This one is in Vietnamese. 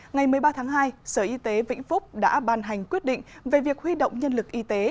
ngày một mươi ba tháng hai sở y tế vĩnh phúc đã ban hành quyết định về việc huy động nhân lực y tế